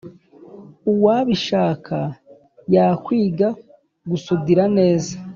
uwabishaka yakwiga gusudira neza.